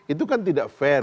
itu kan tidak fair